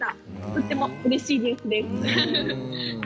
とてもうれしい景色ですね。